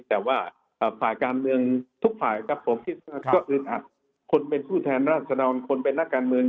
แต่ว่าฝ่าการเมืองทุกฝ่ากับผมก็อึดอัดคนเป็นผู้แทนราชนาวน์คนเป็นนักการเมือง